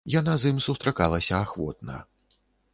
Яна з ім сустракалася ахвотна.